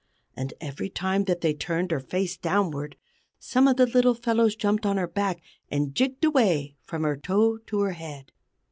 And every time that they turned her face downward, some of the little fellows jumped on her back, and jigged away from her toe to her head.